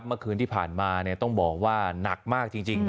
เมื่อคืนที่ผ่านมาต้องบอกว่าหนักมากจริง